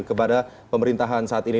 kepada pemerintahan saat ini